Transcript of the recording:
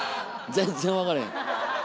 全然分からへん。